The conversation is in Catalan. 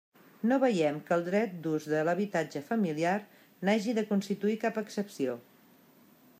No veiem que el dret d'ús de l'habitatge familiar n'hagi de constituir cap excepció.